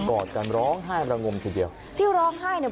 อดกันร้องไห้ระงมทีเดียวที่ร้องไห้เนี่ย